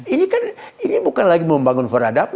ini kan bukan lagi membangun peradaban